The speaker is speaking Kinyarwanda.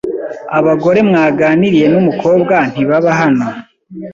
Abagore mwaganiriye numukobwa ntibaba hano.